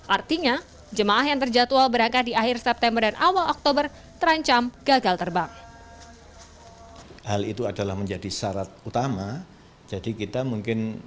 artinya jemaah yang terjadwal berangkat di akhir september dan awal oktober terancam gagal terbang